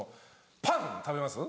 パン食べます？